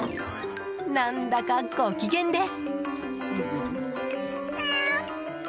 何だか、ご機嫌です。